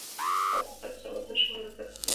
افغانستان کې د سمندر نه شتون په اړه زده کړه کېږي.